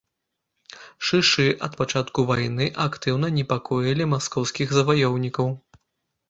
Шышы ад пачатку вайны актыўна непакоілі маскоўскіх заваёўнікаў.